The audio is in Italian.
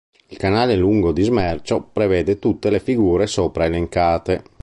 Il "canale lungo di smercio" prevede tutte le figure sopra elencate.